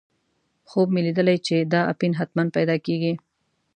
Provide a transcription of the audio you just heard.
خوب مې لیدلی چې دا اپین حتماً پیدا کېږي.